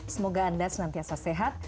semoga anda senantiasa sehat